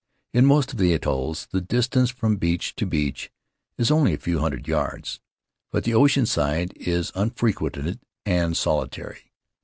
In most of the atolls the distance from beach to beach is only a few hundred yards, but the ocean side is unfrequented and solitary.